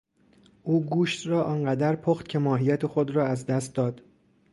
او گوشت را آن قدر پخت که ماهیت خود را از دست داد.